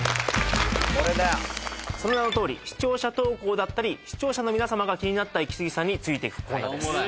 ・これだよその名のとおり視聴者投稿だったり視聴者の皆様が気になったイキスギさんについてくコーナーです